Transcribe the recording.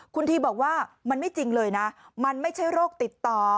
คุณทีบอกว่ามันไม่จริงเลยนะมันไม่ใช่โรคติดต่อ